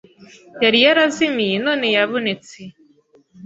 yari yarazimiye, none yabonetse